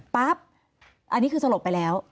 ปั๊บอันนี้คือสลบไปแล้ว